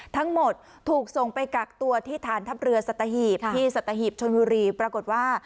ทั้งหมดถูกส่งไปกักตัวที่ฐานทัพเรือสัตหีบที่สัตหีบชนบุรีปรากฏว่า